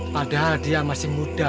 padahal dia masih muda